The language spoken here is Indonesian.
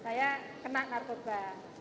saya kena narkoba